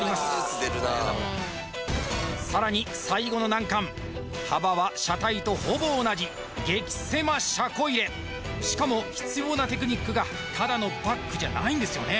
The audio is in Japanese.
さらに最後の難関幅は車体とほぼ同じしかも必要なテクニックがただのバックじゃないんですよね